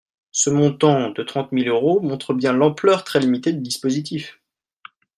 Ce montant de trente mille euros montre bien l’ampleur très limitée du dispositif.